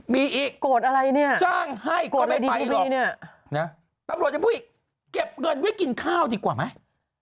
มีอีกจ้างให้ก็ไม่ไปหรอกนะตำรวจจะพูดอีกเก็บเงินไว้กินข้าวดีกว่าไหม